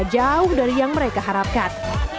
jauh dari yang mereka harapkan